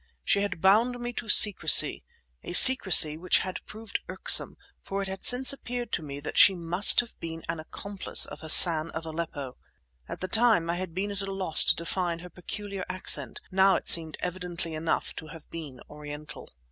She had bound me to secrecy—a secrecy which had proved irksome, for it had since appeared to me that she must have been an accomplice of Hassan of Aleppo. At the time I had been at a loss to define her peculiar accent, now it seemed evidently enough to have been Oriental.